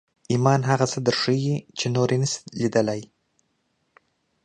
ایمان هغه څه درښيي چې نور یې نشي لیدلی